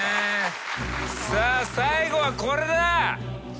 さあ最後はこれだ。